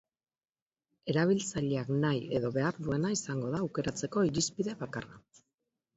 Erabiltzaileak nahi edo behar duena izango da aukeratzeko irizpide bakarra.